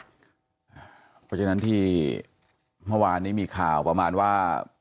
เพราะฉะนั้นที่เมื่อวานนี้มีข่าวประมาณว่า